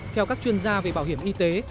theo các chuyên gia về bảo hiểm y tế